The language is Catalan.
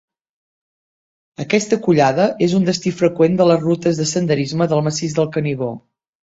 Aquesta collada és un destí freqüent de les rutes de senderisme del massís del Canigó.